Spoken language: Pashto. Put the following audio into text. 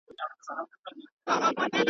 هغه پاڅي تشوي به کوثرونه.